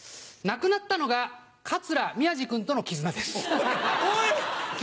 なくなったのが桂宮治君との絆です。